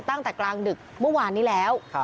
ตั้งแต่กลางดึกเมื่อวานนี้แล้ว